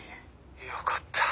よかった。